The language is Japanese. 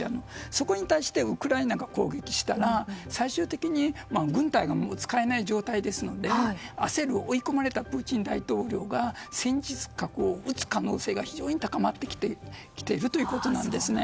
そこに対してウクライナが攻撃したら最終的に軍隊が使えない状態ですので焦る、追い込まれたプーチン大統領が戦術核を撃つ可能性が非常に高まってきているということです。